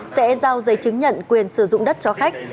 sẽ giao giấy chứng nhận quyền sử dụng đất cho khách